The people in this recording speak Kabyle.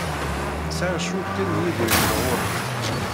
Sɛiɣ cwiṭ kan n yedrimen ɣer-i.